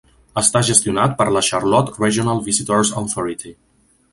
Està gestionat per la Charlotte Regional Visitors Authority.